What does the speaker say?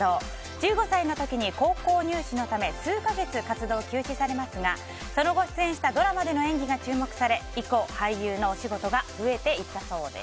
１５歳の時に高校入試のために数か月活動を休止されますがその後出演したドラマでの演技が注目され以降、俳優のお仕事が増えていったそうです。